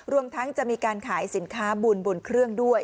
รวมทั้งจะมีการขายสินค้าบุญบนเครื่องด้วย